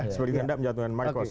seperti tanda menjatuhkan marcos